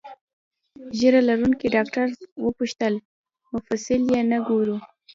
ږیره لرونکي ډاکټر وپوښتل: مفصل یې نه ګورو؟